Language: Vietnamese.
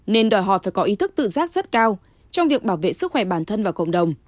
nên đòi hỏi phải có ý thức tự giác rất cao trong việc bảo vệ sức khỏe bản thân và cộng đồng